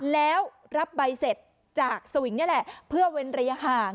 แล้วรับใบเสร็จจากสวิงนี่แหละเพื่อเว้นระยะห่าง